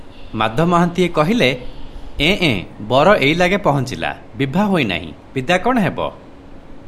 ମାଧ ମହାନ୍ତିଏ କହିଲେ, "ଏଁ ଏଁ- ବର ଏଇଲାଗେ ପହଞ୍ଚିଲା, ବିଭା ହୋଇ ନାହିଁ, ବିଦା କଣ ହେବ?"